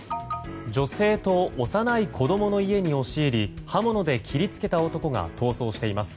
女性と幼い子供の家に押し入り刃物で切り付けた男が逃走しています。